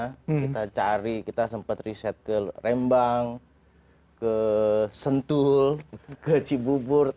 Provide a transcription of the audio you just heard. kita cari kita sempat riset ke rembang ke sentul ke cibubur